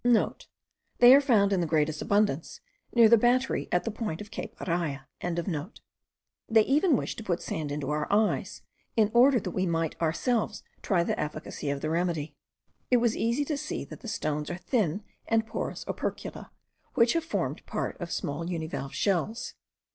(* They are found in the greatest abundance near the battery at the point of Cape Araya.) They even wished to put sand into our eyes, in order that we might ourselves try the efficacy of the remedy. It was easy to see that the stones are thin and porous opercula, which have formed part of small univalve shells.